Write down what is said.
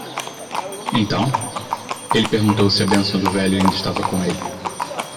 Então,? ele perguntou se a bênção do velho ainda estava com ele.